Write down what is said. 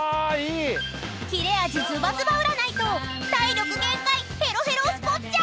［切れ味ズバズバ占いと体力限界ヘロヘロスポッチャ！］